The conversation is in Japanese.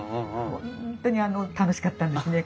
本当に楽しかったんですね。